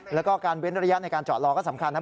แล้วก็การเว้นระยะในการจอดรอก็สำคัญนะครับ